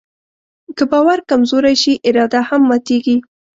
که باور کمزوری شي، اراده هم ماتيږي.